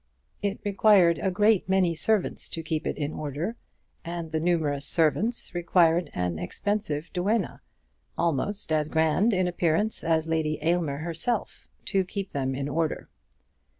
It required a great many servants to keep it in order, and the numerous servants required an experienced duenna, almost as grand in appearance as Lady Aylmer herself, to keep them in order.